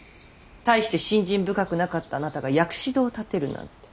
大して信心深くなかったあなたが薬師堂を建てるなんて。